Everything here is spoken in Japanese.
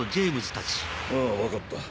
あぁ分かった。